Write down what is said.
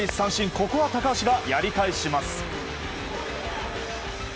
ここは高橋がやり返します。